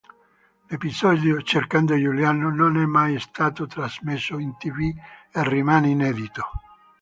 L'episodio "Cercando Giuliano" non è mai stato trasmesso in tv e rimane inedito.